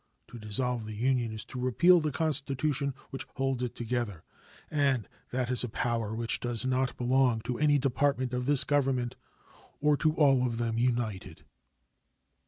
To dissolve the Union is to repeal the Constitution which holds it together, and that is a power which does not belong to any department of this Government, or to all of them united.